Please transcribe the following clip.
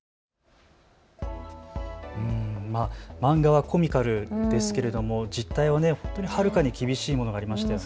漫画はコミカルですけれども実態ははるかに厳しいものがありますね。